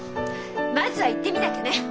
まずは行ってみなきゃね！